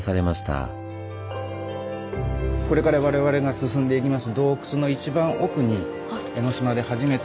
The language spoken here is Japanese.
これから我々が進んでいきます